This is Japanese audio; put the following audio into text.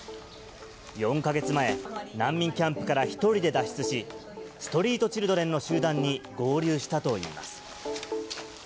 ４か月前、難民キャンプから１人で脱出し、ストリートチルドレンの集団に合流したといいます。